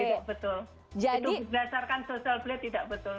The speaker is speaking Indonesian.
itu berdasarkan social plate tidak betul